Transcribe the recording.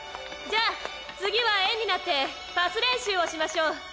じゃあ次は円になってパス練習をしましょう。